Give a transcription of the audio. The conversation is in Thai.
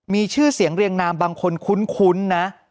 มีชื่อเสียงเรียงนามบางคนคุ้นนะ